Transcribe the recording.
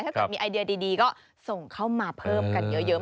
ถ้าเกิดมีไอเดียดีก็ส่งเข้ามาเพิ่มกันเยอะ